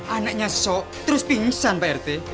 anaknya sok terus pingsan pak rt